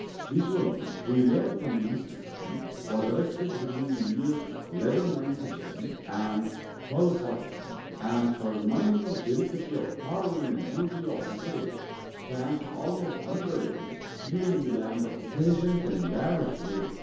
This one, we learn from the inscription, was erected between the years 1197 and 1247, and for mi nute delicacy of carving and beauty of detail stands almost unrivaled even in the land of the patient and lavish labor.